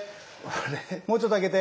もうちょっと上げて！